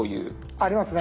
ありますね。